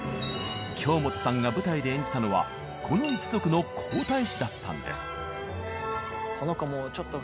京本さんが舞台で演じたのはこの一族の皇太子だったんです。